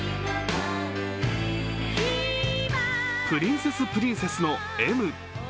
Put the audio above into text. プリンセスプリンセスの「Ｍ」。